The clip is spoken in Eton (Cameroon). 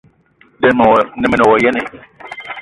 De o ne wa yene?